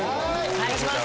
お願いします